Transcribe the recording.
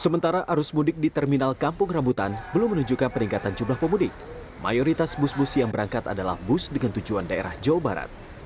bandara soekarno hatta menetapkan cuti bersama timur yang sudah berpengalaman untuk mengambil cuti tambahan